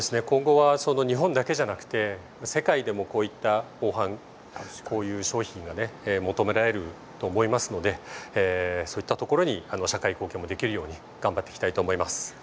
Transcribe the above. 日本だけじゃなくて世界でもこういった防犯商品が求められると思いますのでそういったところに社会貢献もできるように頑張っていきたいと思います。